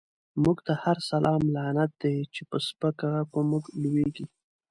موږ ته هر سلام لعنت دی، چی په سپکه په موږ لويږی